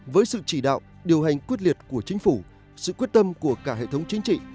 với sự chỉ đạo điều hành quyết liệt của chính phủ sự quyết tâm của cả hệ thống chính trị